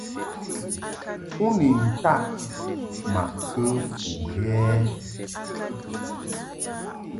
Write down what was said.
U ni taʼ ma kə fu lɛ ɛ ?